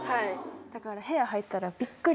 だから部屋入ったらびっくりするんです。